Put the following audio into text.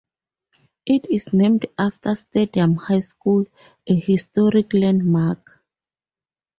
It is named after Stadium High School, a historic landmark.